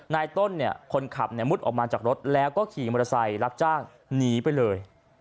นายต้นเนี่ยคนขับมุดออกมาจากรถแล้วก็ขี่มอเตอร์ไซค์รับจ้างหนีไปเลย